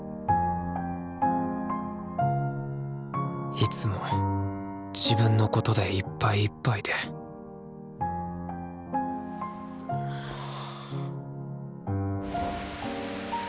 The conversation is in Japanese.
いつも自分のことでいっぱいいっぱいではぁ。